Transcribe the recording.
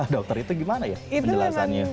dokter itu gimana ya penjelasannya